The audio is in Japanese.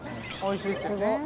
おいしいですよね。